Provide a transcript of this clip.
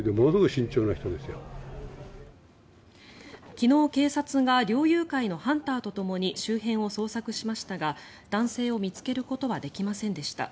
昨日、警察が猟友会のハンターとともに周辺を捜索しましたが男性を見つけることはできませんでした。